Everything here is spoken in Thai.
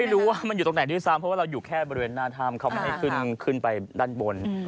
ไม่รู้ว่ามันอยู่ตรงไหนด้วยซ้ำเพราะว่าเราอยู่แค่บริเวณหน้าถ้ำเขาไม่ให้ขึ้นไปด้านบน